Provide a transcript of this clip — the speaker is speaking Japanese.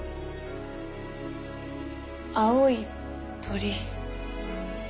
『青い鳥』。